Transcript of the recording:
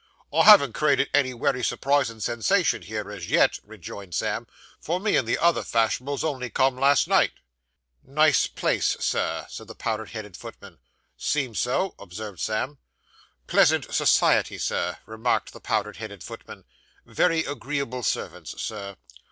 'I haven't created any wery surprisin' sensation here, as yet,' rejoined Sam, 'for me and the other fash'nables only come last night.' 'Nice place, Sir,' said the powdered headed footman. 'Seems so,' observed Sam. 'Pleasant society, sir,' remarked the powdered headed footman. 'Very agreeable servants, sir.